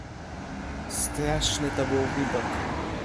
"Straszny to był widok!"